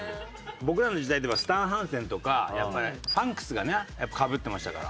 僕らの時代でいえばスタン・ハンセンとかやっぱりファンクスがねかぶってましたから。